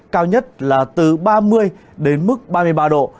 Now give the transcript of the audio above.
cao nhất là từ ba mươi đến mức ba mươi ba độ